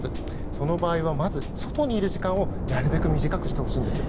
その場合はまず、外にいる時間をなるべく短くしてほしいんです。